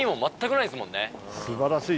素晴らしい。